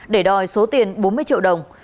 để đòi số tiền bốn mươi triệu đồng